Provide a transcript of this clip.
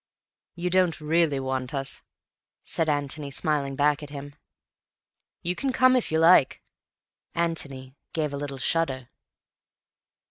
"You don't really want us," said Antony, smiling back at him. "You can come if you like." Antony gave a little shudder.